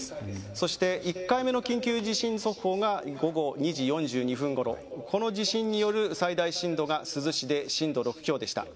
そして、１回目の緊急地震速報が午後２時４２分ごろこの地震による最大震度が珠洲市で震度６強でした。